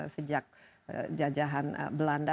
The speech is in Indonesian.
sejak jajahan belanda